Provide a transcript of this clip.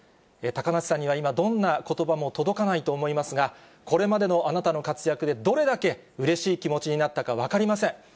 高梨さんには今、どんなことばも届かないと思いますが、これまでのあなたの活躍で、どれだけうれしい気持ちになったか分かりません。